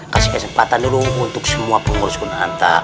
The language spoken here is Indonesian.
kasih kesempatan dulu untuk semua pengurus kunanta